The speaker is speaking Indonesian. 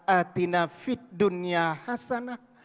atina fid dunya hasanah